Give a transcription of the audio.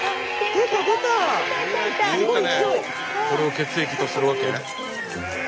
これを血液とするわけ？